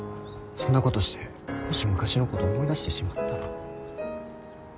そんなことしてもし昔のこと思い出してしまったら。